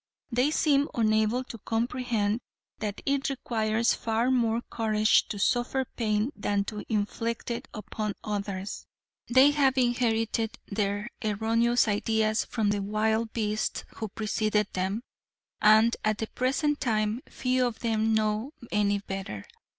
They seem unable to comprehend that it requires far more courage to suffer pain than to inflict it upon others. They have inherited their erroneous ideas from the wild beasts who preceded them, and at the present time few of them know any better.